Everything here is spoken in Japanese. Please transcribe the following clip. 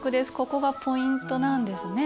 ここがポイントなんですね。